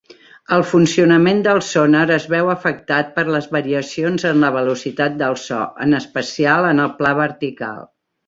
El funcionament del sonar es veu afectat per les variacions en la velocitat del so, en especial, en el pla vertical.